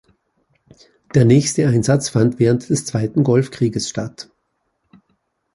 Der nächste Einsatz fand während des Zweiten Golfkrieges statt.